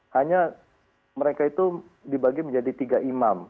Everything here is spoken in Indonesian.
hanya mereka itu dibagi menjadi tiga imam